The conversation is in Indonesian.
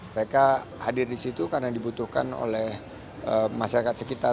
mereka hadir di situ karena dibutuhkan oleh masyarakat sekitar